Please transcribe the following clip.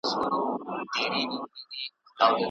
آیا د مختلفو کلتورونو ترمنځ د تعامل پیاوړي کیدل ممکنه ده؟